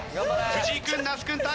藤井君那須君対。